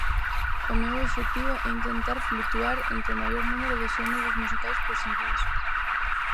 O meu obxectivo é intentar flutuar entre o maior número de xéneros musicais posíbeis.